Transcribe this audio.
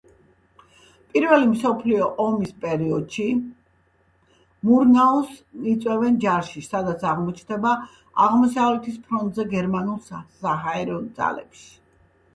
პირველი მსოფლიო ომის პერიოდში მურნაუს იწვევენ ჯარში, სადაც აღმოჩნდება აღმოსავლეთის ფრონტზე, გერმანულ საჰაერო ძალებში.